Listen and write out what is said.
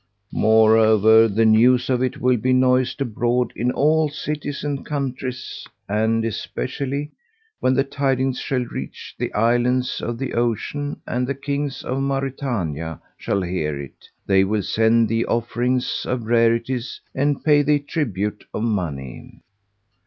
Moreover, the news of it will be noised abroad in all cities and countries and especially, when the tidings shall reach the Islands of the Ocean and the Kings of Mauritania shall hear it, they will send thee offerings of rarities and pay thee tribute of money."